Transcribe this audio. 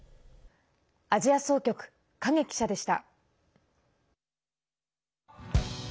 アジア総局、影記者でした。